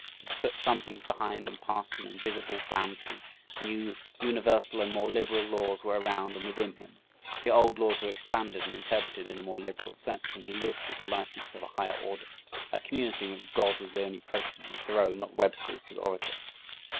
"...for he put some things behind and passed an invisible boundary; new, universal, and more liberal laws were around and within him, the old laws were expanded and interpreted in a more liberal sense and he lived with the license of a higher order" a community in which "God was the only President" and "Thoreau not Webster was His Orator."